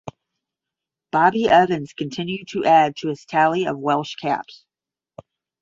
Bobby Evans continued to add to his tally of Welsh caps.